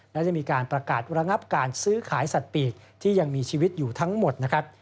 และจะมีการประกาศระงับการซื้อขายสัตว์ปีกที่ยังมีชีวิตอยู่ทั้งหมดนะครับ